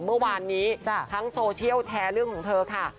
เมื่อวานนี้ทั้งโซเชียลแชร์เรื่องของเธอค่ะ